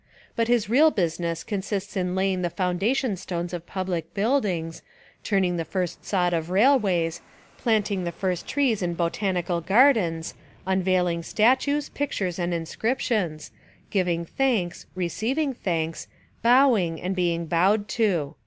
But his real business consists in laying the foundation stones of public buildings, turn ing the first sod of railways, planting the first trees In botanical gardens, unveiling statues, pictures, and inscriptions, giving thanks, re ceiving thanks, bowing and being bowed to.